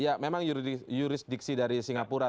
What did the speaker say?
iya memang juridiksi dari singapura